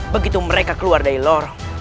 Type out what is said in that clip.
begitu mereka keluar dari lorong